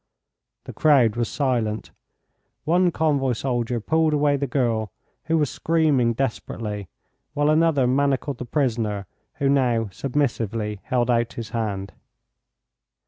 The crowd was silent. One convoy soldier pulled away the girl, who was screaming desperately, while another manacled the prisoner, who now submissively held out his hand.